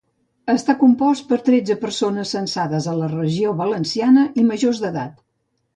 Està compost per tretze persones censades a la Regió de València i majors d'edat.